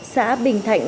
xã bình thạnh